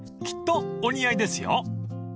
［きっとお似合いですよ］